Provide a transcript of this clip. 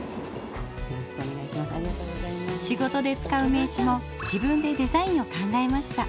仕事で使う名刺も自分でデザインを考えました。